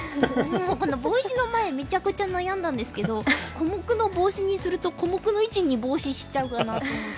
めちゃくちゃ悩んだんですけど「コモクのボウシ」にすると小目の位置にボウシしちゃうかなと思って。